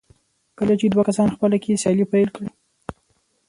کله چې دوه کسان خپله کې سیالي پيل کړي.